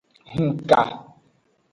Hunka.